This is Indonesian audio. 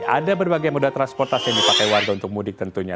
ada berbagai moda transportasi yang dipakai warga untuk mudik tentunya